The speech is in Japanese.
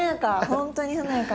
本当に華やか。